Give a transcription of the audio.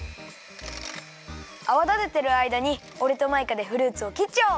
あわだててるあいだにおれとマイカでフルーツをきっちゃおう。